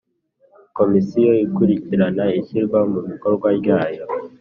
Komisiyo ikurikirana ishyirwa mu bikorwa ryayo